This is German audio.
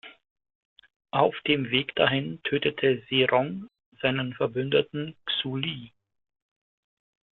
Auf dem Weg dahin tötete Ze Rong seinen Verbündeten Xue Li.